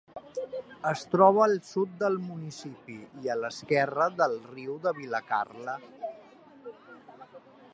Es troba al sud del municipi, i a l’esquerra del riu de Vilacarle.